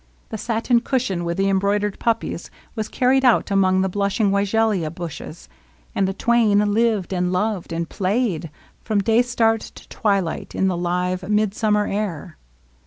The satin cushion with the embroidered puppies was carried out among the blushing weigelia bushes ; and the twain lived and loved and played, from day start to twilight, in the live, midsummer air.